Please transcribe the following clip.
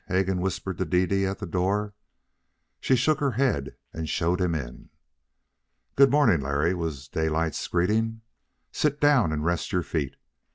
Hegan whispered to Dede at the door. She shook her head and showed him in. "Good morning, Larry," was Daylight's greeting. "Sit down and rest your feet.